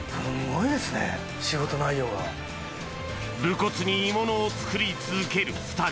無骨に鋳物を作り続ける２人。